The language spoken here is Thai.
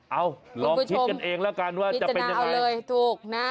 เอ้าลองคิดกันเองแล้วกันว่าจะเป็นยังไงพิจารณาเอาเลยถูกนะ